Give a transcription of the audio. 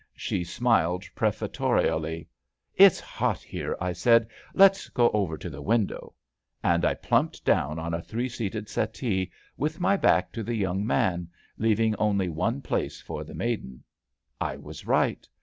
She smiled prefatorily. '* It's hot here," I said; '* let's go over to the window "; and I plumped down on a three seated «ettee, with my back to the young man, leaving only one place for the maiden. I was right.